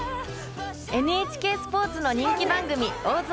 ＮＨＫスポーツの人気番組大相撲中継。